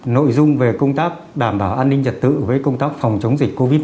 nội dung về công tác đảm bảo an ninh trật tự với công tác phòng chống dịch covid một mươi chín